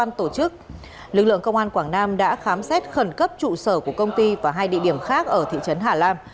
lực lượng công an quảng nam đã khám xét khẩn cấp trụ sở của công ty và hai địa điểm khác ở thị trấn hà lam